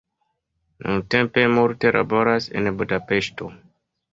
Nuntempe multe laboras en Budapeŝto.